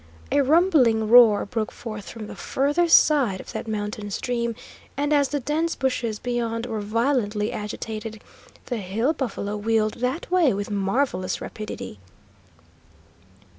A rumbling roar broke forth from the further side of that mountain stream, and as the dense bushes beyond were violently agitated, the hill buffalo wheeled that way with marvellous rapidity.